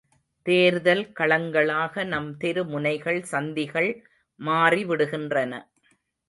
தேர்தல் களங்களாக நம் தெரு முனைகள் சந்திகள் மாறிவிடுகின்றன.